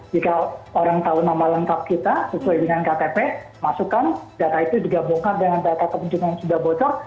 jika orang tahu nama lengkap kita sesuai dengan ktp masukkan data itu digabungkan dengan data pengunjung yang sudah bocor